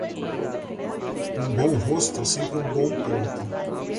Um bom rosto, é sempre um bom ponto.